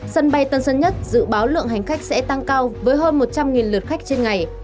sân bay tân sơn nhất dự báo lượng hành khách sẽ tăng cao với hơn một trăm linh lượt khách trên ngày